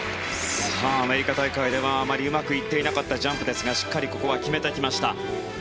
アメリカ大会ではあまりうまくいっていなかったジャンプですがしっかりここは決めてきました。